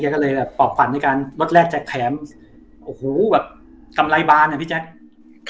แกก็เลยปลอบฝันด้วยการลดแรกแผมโอ้โหกำไรบานอ่ะพี่แจ๊ค